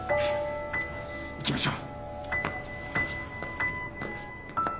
行きましょう。